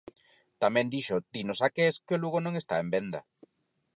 Tamén dixo Tino Saqués que o Lugo non está en venda.